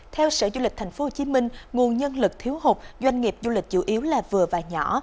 theo sở du lịch tp hcm nguồn nhân lực thiếu hụt doanh nghiệp du lịch chủ yếu là vừa và nhỏ